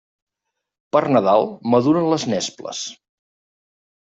Per Nadal maduren les nesples.